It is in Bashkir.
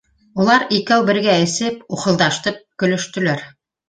Улар икәү бергә эсеп, ухылдашып көлөштөләр.